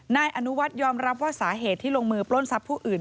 นายอนุวัฒน์ยอมรับว่าสาเหตุที่ลงมือปล้นทรัพย์ผู้อื่น